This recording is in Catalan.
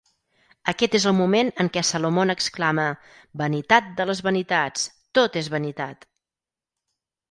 Aquest és el moment en què Solomon exclama: "Vanitat de les vanitats, tot és vanitat!".